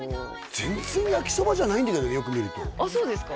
全然焼きそばじゃないんだけどよく見るとあっそうですか？